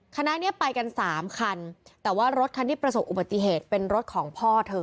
คณะนี้ไปกันสามคันแต่ว่ารถคันที่ประสบอุบัติเหตุเป็นรถของพ่อเธอ